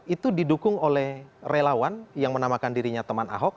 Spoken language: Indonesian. itu didukung oleh relawan yang menamakan dirinya teman ahok